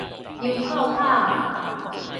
油庫口